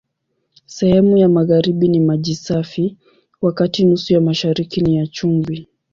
Sehemu ya magharibi ni maji safi, wakati nusu ya mashariki ni ya chumvi.